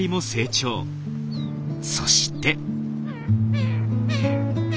そして。